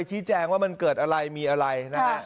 ชี้แจงว่ามันเกิดอะไรมีอะไรนะฮะ